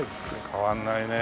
変わらないね。